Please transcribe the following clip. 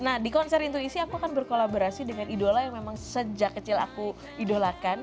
nah di konser intuisi aku akan berkolaborasi dengan idola yang memang sejak kecil aku idolakan